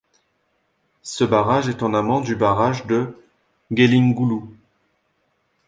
Ce barrage est en amont du barrage de Gelingüllü.